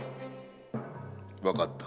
わかった。